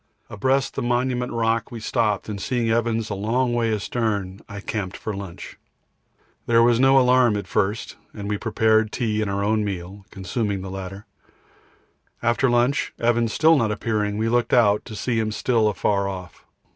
Abreast the Monument Rock we stopped, and seeing Evans a long way astern, I camped for lunch. There was no alarm at first, and we prepared tea and our own meal, consuming the latter. After lunch, and Evans still not appearing, we looked out, to see him still afar off.